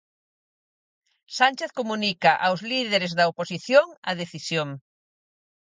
Sánchez comunica aos líderes da oposición a decisión.